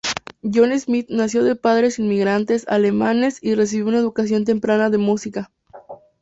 Jon Schmidt nació de padres inmigrantes alemanes, y recibió una educación temprana de música.